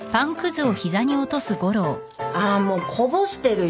あもうこぼしてるよ